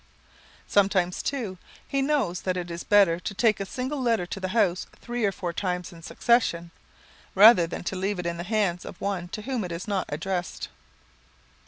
Sometimes, too, he knows that it is better to take a single letter to the house three or four times in succession, rather than to leave it in the hands of one to whom it is not addressed.